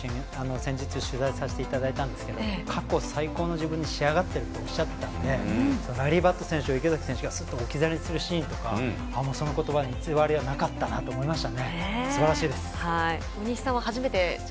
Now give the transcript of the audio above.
先日取材させていただいたんですが過去最高の自分に仕上がっているとおっしゃっていたのでライリー・バット選手を池崎選手が置き去りにするシーンとか、そのことばに偽りはなかったなと思いました。